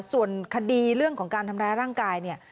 ส่วนคดีเรื่องของการทำร้ายร่างกายเนี่ย